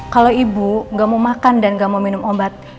kalau ibu nggak mau makan dan gak mau minum obat